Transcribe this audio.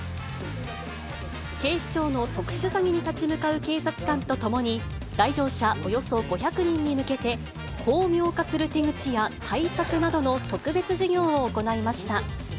警視庁の特殊詐欺に立ち向かう警察官と共に、来場者およそ５００人に向けて、巧妙化する手口や対策などの特別授業を行いました。